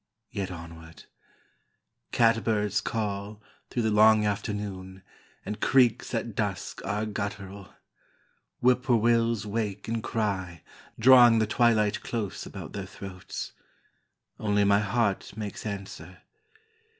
Yet onward! Cat birds call Through the long afternoon, and creeks at dusk Are guttural. Whip poor wills wake and cry, Drawing the twilight close about their throats. Only my heart makes answer.